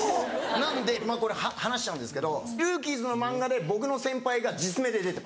なのでこれ話しちゃうんですけど『ＲＯＯＫＩＥＳ』の漫画で僕の先輩が実名で出てます。